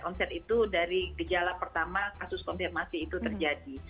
omset itu dari gejala pertama kasus konfirmasi itu terjadi